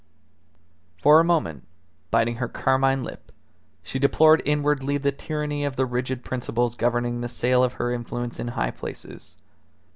For a moment, biting her carmine lip, she deplored inwardly the tyranny of the rigid principles governing the sale of her influence in high places.